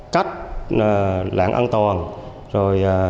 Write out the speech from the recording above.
cách lặn ăn tàu